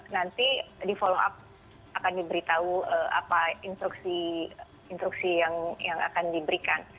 nanti di follow up akan diberitahu apa instruksi yang akan diberikan